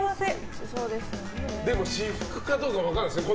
私服かどうかも分からないですよね